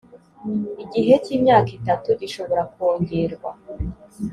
igihe cy’imyaka itatu, gishobora kongerwa